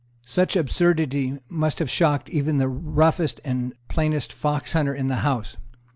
Such absurdity must have shocked even the roughest and plainest foxhunter in the House.